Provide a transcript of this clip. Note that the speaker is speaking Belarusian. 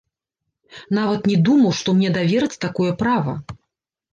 Нават не думаў, што мне давераць такое права.